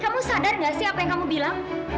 kamu sadar gak sih apa yang kamu bilang